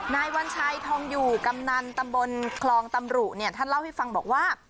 นายวัญชัยทองอยู่กำนันตำบลคลองตำรุเนี่ยท่านเล่าให้ฟังบอกว่า